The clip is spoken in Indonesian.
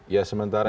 ya sementara ini